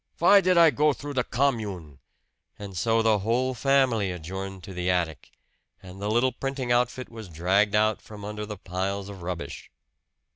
Vy did I go through the Commune?" And so the whole family adjourned to the attic, and the little printing outfit was dragged out from under the piles of rubbish.